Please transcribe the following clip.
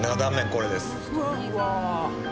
これです。